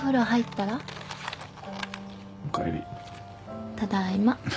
ただいま。